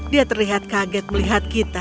dia terlihat kaget melihat kita